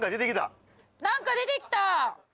何か出てきた！